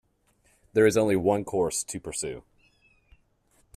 There is only one course to pursue.